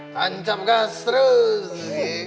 tancap gas terus